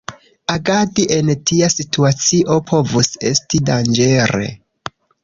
Agadi en tia situacio povus esti danĝere.